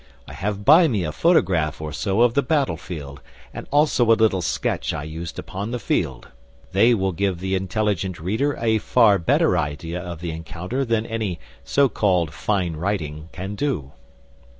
I have by me a photograph or so of the battlefield and also a little sketch I used upon the field. They will give the intelligent reader a far better idea of the encounter than any so called 'fine writing' can do.